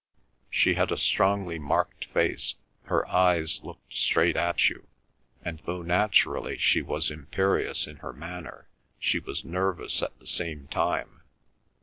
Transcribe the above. She had a strongly marked face, her eyes looked straight at you, and though naturally she was imperious in her manner she was nervous at the same time.